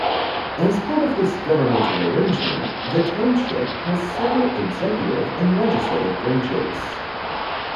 As part of this governmental arrangement, the Township has separate executive and legislative branches.